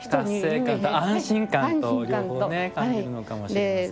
達成感と安心感と両方感じるのかもしれませんね。